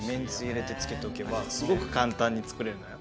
すごく簡単に作れるのよ。